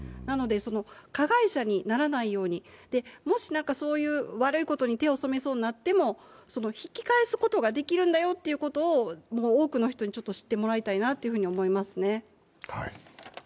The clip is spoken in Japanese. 加害者にならないように、もし、悪いことに手を染めそうになっても引き返すことができるんだよということを多くの人に知ってもらいたいなと思いますね。